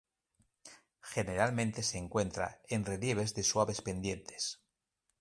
Generalmente se encuentra en relieves de suaves pendientes.